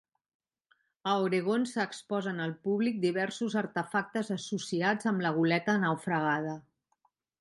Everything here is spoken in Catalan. A Oregon s'exposen al públic diversos artefactes associats amb la goleta naufragada.